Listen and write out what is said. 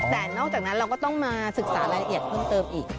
แต่นอกจากนั้นเราก็ต้องมาศึกษารายละเอียดเพิ่มเติมอีก